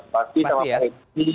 pasti sama pak edi